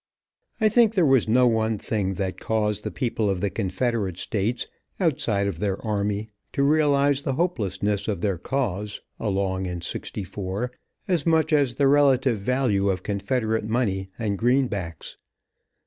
I think there was no one thing that caused, the people of the confederate states, outside of their army, to realize the hopelessness of their cause, along in '64, as much as the relative value of confederate money and greenbacks.